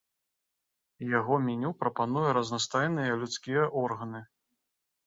Яго меню прапануе разнастайныя людскія органы.